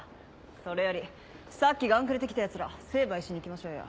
それよりさっきガンくれて来たヤツら成敗しに行きましょうよ。